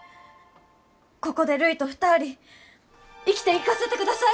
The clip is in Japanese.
ここでるいと２人生きていかせてください！